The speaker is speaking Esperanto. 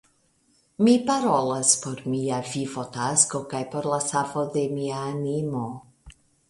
Mi parolas por mia vivotasko kaj por la savo de mia animo!